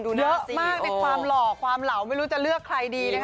เยอะมากในความหล่อความเหล่าไม่รู้จะเลือกใครดีนะคะ